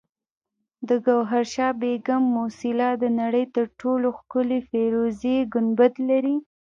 د ګوهرشاد بیګم موسیلا د نړۍ تر ټولو ښکلي فیروزي ګنبد لري